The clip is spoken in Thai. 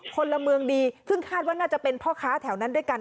พลเมืองดีซึ่งคาดว่าน่าจะเป็นพ่อค้าแถวนั้นด้วยกัน